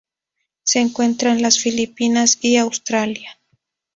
Se encuentra en las Filipinas y Australia.